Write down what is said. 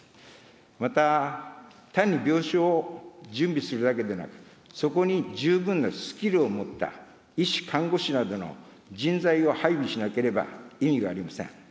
また、単に病床を準備するだけでなく、そこに十分なスキルを持った医師・看護師などの人材を配備しなければ意味がありません。